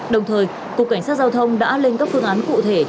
đồng thời cục cảnh sát giao thông đã lên các phương án cụ thể